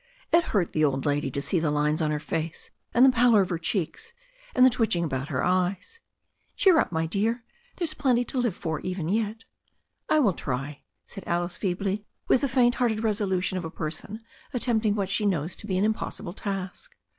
It hurt the old lady to see the lines on her face and the pallor of her cheeks and the twitching about her eyes. 'Cheer up, my dear. There's plenty to live for even yet." 'I will try," said Alice feebly, with the faint hearted reso lution of a person attempting what she knows to be an im possible task.